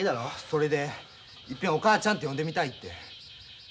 それで一遍お母ちゃんって呼んでみたいって。